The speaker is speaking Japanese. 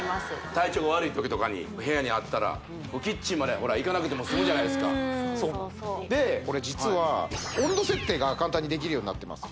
体調が悪い時とかに部屋にあったらキッチンまで行かなくても済むじゃないですかでこれ実は温度設定が簡単にできるようになってます